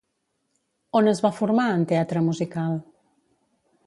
On es va formar en teatre musical?